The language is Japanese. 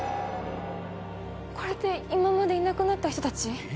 これって今までいなくなった人たち？